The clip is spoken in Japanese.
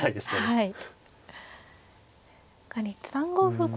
はい。